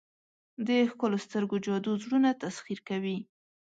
د ښکلو سترګو جادو زړونه تسخیر کوي.